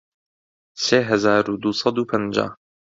سێ هەزار و دوو سەد و پەنجا